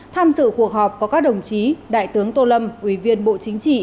tham dự cuộc họp có các đồng chí đại tướng tô lâm ủy viên bộ chính trị